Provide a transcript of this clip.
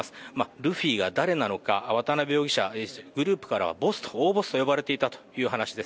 ルフィが誰なのか、渡辺容疑者、グループからは大ボスと呼ばれていたという話です。